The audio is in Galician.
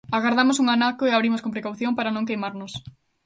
Agardamos un anaco e abrimos con precaución para non queimarnos.